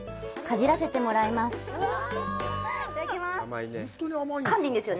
かじらせてもらいます！